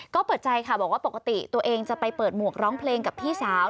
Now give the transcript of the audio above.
ก็เปิดใจค่ะบอกว่าปกติตัวเองจะไปเปิดหมวกร้องเพลงกับพี่สาว